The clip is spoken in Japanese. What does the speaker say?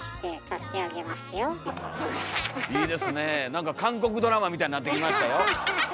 なんか韓国ドラマみたいになってきましたよ。